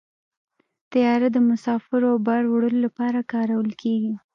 طیاره د مسافرو او بار وړلو لپاره کارول کېږي.